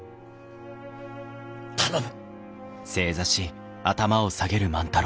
頼む！